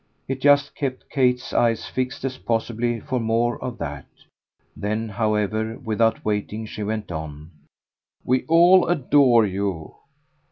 It just kept Kate's eyes fixed as possibly for more of that; then, however, without waiting, she went on. "We all adore you."